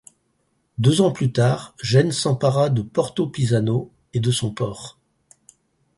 Deux ans plus tard, Gênes s'empara de Porto Pisano et de son port.